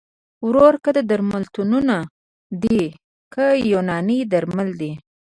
وروره که درملتونونه دي که یوناني درمل دي